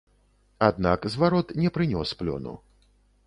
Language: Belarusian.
Аднак зварот не прынёс плёну.